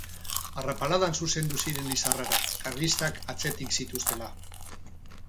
Arrapaladan zuzendu ziren Lizarrara, karlistak atzetik zituztela.